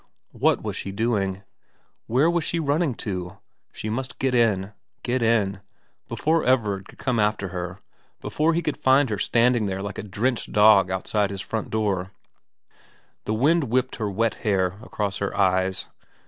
What was she doing ? Where was she running to ? She must get in, get in before Everard could come after her, before he could find her standing there like a drenched dog outside his front door. The wind whipped her wet hair across her eyes.